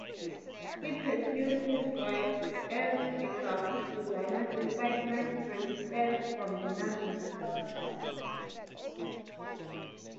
He pursued his work as a graphic designer despite much resistance from the Nazis.